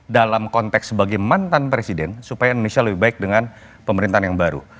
dalam konteks sebagai mantan presiden supaya indonesia lebih baik dengan pemerintahan yang baru